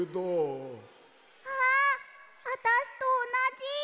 あああたしとおなじ。